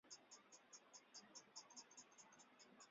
左翼民主阵线是印度喀拉拉邦的一个左翼政党联盟。